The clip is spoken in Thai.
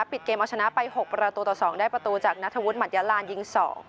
ปิดเกมเอาชนะไป๖ประตูต่อ๒ได้ประตูจากนัทธวุฒิหมัดยาลานยิง๒